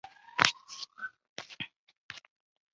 本站为广州地铁线网位处最南的车站。